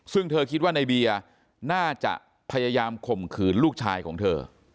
ซึ่งเธอคิดว่าในเบียร์น่าจะพยายามข่มขืนลูกชายของเธอ